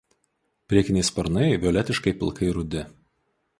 Priekiniai sparnai violetiškai pilkai rudi.